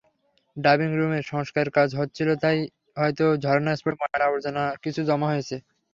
Dubbing রুমের সংস্কারকাজ হচ্ছিল, তাই হয়তো ঝরনা স্পটে ময়লা-আবর্জনা কিছু জমা হয়েছে।